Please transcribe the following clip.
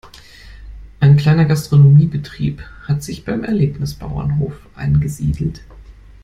Ein kleiner Gastronomiebetrieb hat sich beim Erlebnisbauernhof angesiedelt.